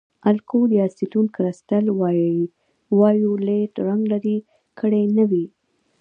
الکول یا اسیټون کرسټل وایولېټ رنګ لرې کړی نه وي.